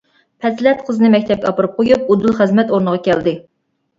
پەزىلەت قىزىنى مەكتەپكە ئاپىرىپ قويۇپ، ئۇدۇل خىزمەت ئورنىغا كەلدى.